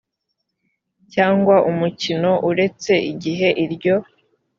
cyangwa umukino uretse igihe iryo